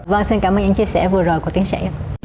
vâng xin cảm ơn những chia sẻ vừa rồi của tiến sĩ